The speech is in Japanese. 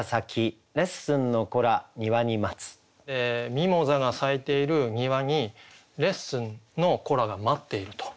ミモザが咲いている庭にレッスンの子らが待っていると。